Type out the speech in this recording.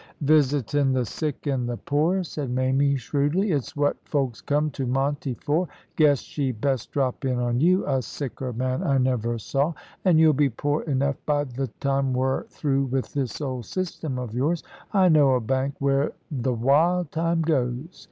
"Visitin' the sick an' the poor," said Mamie, shrewdly. "It's what folks come to Monte for. Guess, she best drop in on you a sicker man I never saw, an' you'll be poor enough by th' time we're through with this old system of yours. I know a bank where th' wild time goes.